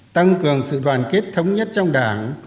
tăng cường sự đoàn kết thống nhất trong đảng